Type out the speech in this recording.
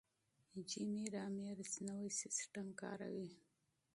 جیمي رامیرز نوی سیستم کاروي.